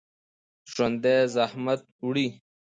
ژوندي زحمت وړي